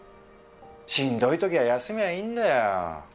しんどい時は休みゃいいんだよ。